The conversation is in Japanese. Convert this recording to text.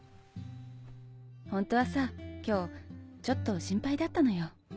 ホントはさ今日ちょっと心配だったのよ。